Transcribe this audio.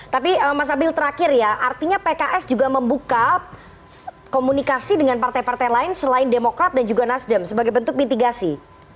tapi mas abil terakhir ya artinya pks juga membuka komunikasi dengan partai partai lain selain demokrat dan juga nasdem sebagai bentuk mitigasi